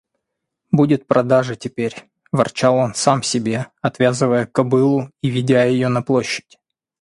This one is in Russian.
– Будет продажа теперь! – ворчал он сам себе, отвязывая кобылу и ведя ее на площадь.